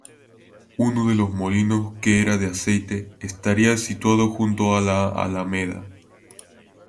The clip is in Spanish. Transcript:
Uno de los molinos, que era de aceite, estaría situado junto a la Alameda.